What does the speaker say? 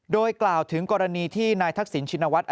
โดยกล่าวถึงกรณีที่นายทักษิณชินวัฒน์